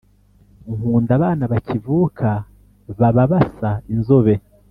nkunda abana bakivuka baba basa inzobe